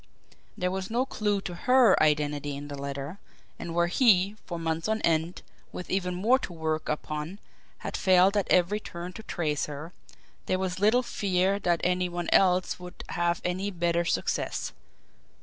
There was no clew to HER identity in the letter; and where he, for months on end, with even more to work upon, had failed at every turn to trace her, there was little fear that any one else would have any better success.